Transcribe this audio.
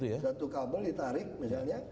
satu kabel ditarik misalnya